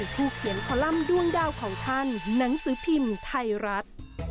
ถูกเขียนคัลล่ำดวงดาวเขาธรรมิหนังสือพิมศ์ไทยรัฐ